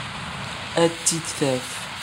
Ad tt-id-taf.